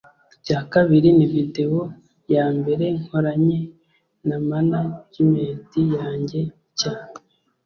icya kabiri ni video ya mbere nkoranye na management yanjye nshya